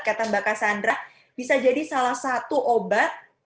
kata mbak cassandra bisa jadi salah satu obat